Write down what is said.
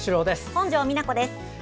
本庄美奈子です。